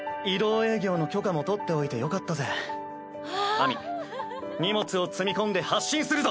秋水荷物を積み込んで発進するぞ！